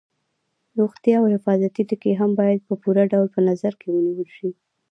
روغتیا او حفاظتي ټکي هم باید په پوره ډول په نظر کې ونیول شي.